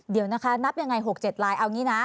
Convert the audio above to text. เดี๋ยวนะคะนับยังไง๖๗ลายเอางี้นะ